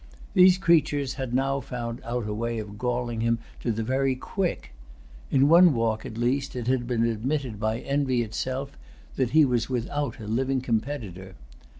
These creatures had now found out a way of galling him to the very quick. In one walk, at least, it had been admitted by envy itself that he was without a living competitor.